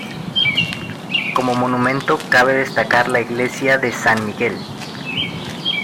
Como monumento cabe destacar la iglesia de San Miguel.